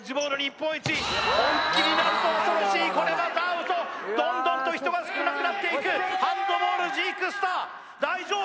本気になると恐ろしいこれまたアウトどんどんと人が少なくなっていくハンドボールジークスター大丈夫か？